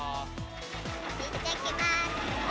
いってきます。